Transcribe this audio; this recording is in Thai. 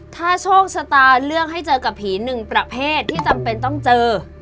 ถ้าโชคชะตาเลือกให้เจอกับผีหนึ่งประเภทที่จำเป็นต้องเจอ